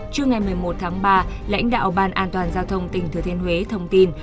trưa ngày một mươi một tháng ba lãnh đạo ban an toàn giao thông tỉnh thừa thiên huế thông tin